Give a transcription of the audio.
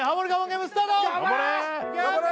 ゲームスタート頑張れ